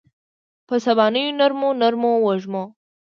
په سبانیو نرمو، نرمو وږمو